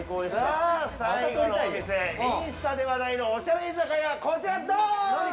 さあ最後のお店インスタで話題のおしゃれ居酒屋こちら、ドーン！